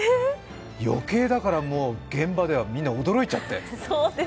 余計現場ではみんな驚いちゃって。